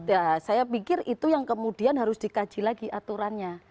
ya saya pikir itu yang kemudian harus dikaji lagi aturannya